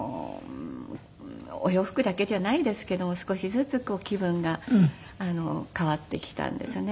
お洋服だけじゃないですけども少しずつ気分が変わってきたんですよね。